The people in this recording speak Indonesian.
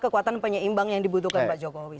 kekuatan penyeimbang yang dibutuhkan pak jokowi